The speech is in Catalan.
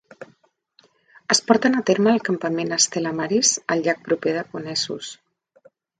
Es porten a terme al campament Stella Maris, al llac proper de Conesus.